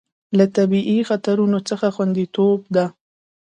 له طبیعي خطرونو څخه خوندیتوب ده.